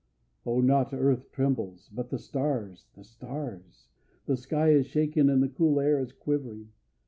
O, not earth trembles, but the stars, the stars! The sky is shaken and the cool air is quivering.